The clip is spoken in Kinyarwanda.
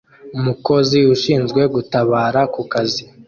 Umukozi ushinzwe gutabara ku kazi